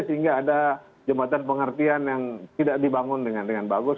sehingga ada jembatan pengertian yang tidak dibangun dengan bagus